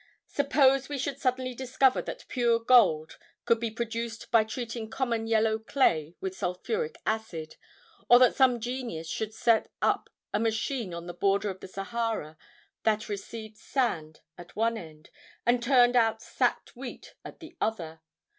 Suppose we should suddenly discover that pure gold could be produced by treating common yellow clay with sulphuric acid, or that some genius should set up a machine on the border of the Sahara that received sand at one end and turned out sacked wheat at the other!